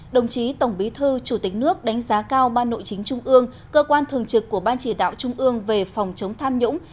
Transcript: đồng chí tổng bí thư chủ tịch nước đánh giá cao ban nội chính trung ương cơ quan thường trực của ban chỉ đạo trung ương về phòng chống tham nhũng